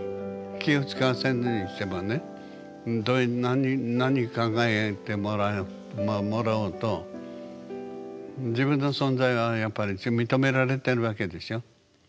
気をつかわせるにしてもねどういう何考えてもらおうと自分の存在はやっぱり認められてるわけでしょ。